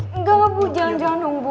enggak bu jangan jangan dong bu